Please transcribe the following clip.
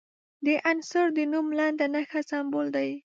د عنصر د نوم لنډه نښه سمبول دی.